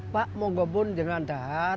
pak monggo pun jangan dah